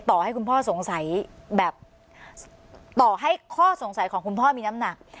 ต่อให้ข้อสงสัยของคุณพ่อมีน้ำหนัก